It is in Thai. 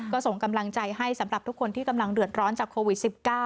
ก็ส่งกำลังใจให้สำหรับทุกคนที่กำลังเดือดร้อนจากโควิด๑๙